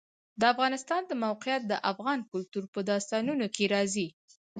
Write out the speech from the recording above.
د افغانستان د موقعیت د افغان کلتور په داستانونو کې راځي.